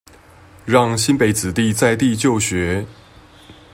讓新北子弟在地就學